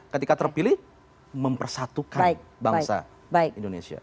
ketika terpilih mempersatukan bangsa indonesia